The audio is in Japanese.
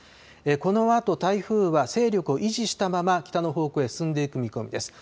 このあと台風は勢力を維持したまま北の方向へ進んでいく見込みです。